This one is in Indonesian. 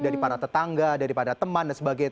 daripada tetangga daripada teman dan sebagainya